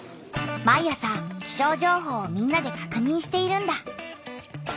毎朝気象情報をみんなでかくにんしているんだ。